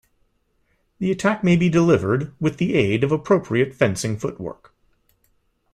The attack may be delivered with the aid of appropriate fencing footwork.